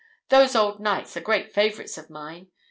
"Those old Knights are great favorites of mine.